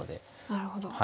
なるほど。